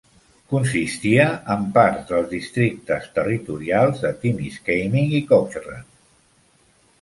Consistia en parts dels districtes territorials de Timiskaming i Cochrane.